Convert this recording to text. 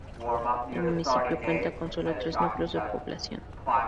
El municipio cuenta con solo tres núcleos de población.